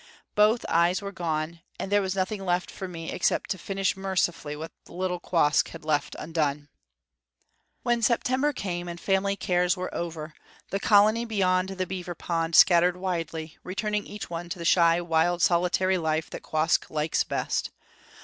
Both eyes were gone, and there was nothing left for me except to finish mercifully what little Quoskh had left undone. When September came, and family cares were over, the colony beyond the beaver pond scattered widely, returning each one to the shy, wild, solitary life that Quoskh likes best.